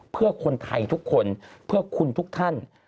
เพื่อคนไทยทุกคนเพื่อคุณทุกท่าน